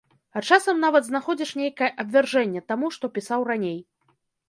А часам нават знаходзіш нейкае абвяржэнне таму, што пісаў раней.